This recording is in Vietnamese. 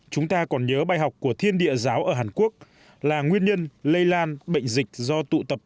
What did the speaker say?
chúng ta còn nhớ bài học của thiên địa giáo ở hàn quốc là nguyên nhân lây lan bệnh dịch do tụ tập